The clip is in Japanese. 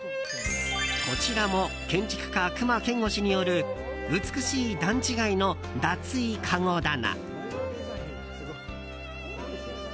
こちらも建築家、隈研吾氏による美しい段違いの脱衣かご棚。